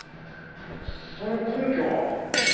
その根拠は？